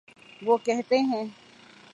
وہ کہتے ہیں۔